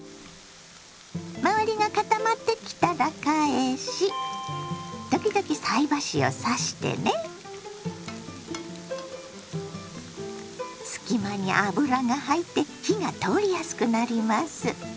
周りが固まってきたら返し時々隙間に油が入って火が通りやすくなります。